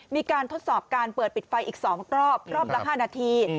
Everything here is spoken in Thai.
มีการทดสอบการเปิดปิดไฟอีก๒รอบรอบละ๕นาที